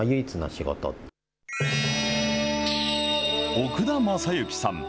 奥田政行さん。